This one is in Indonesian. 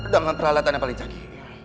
dengan peralatan yang paling canggih